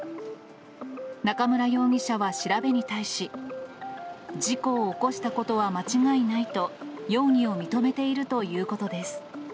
中村容疑者は調べに対し、事故を起こしたことは間違いないと、容疑を認めているということです。